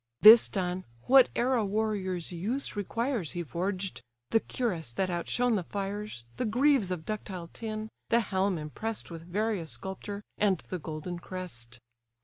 This done, whate'er a warrior's use requires He forged; the cuirass that outshone the fires, The greaves of ductile tin, the helm impress'd With various sculpture, and the golden crest.